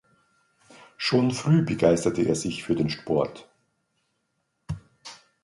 Schon früh begeisterte er sich für den Sport.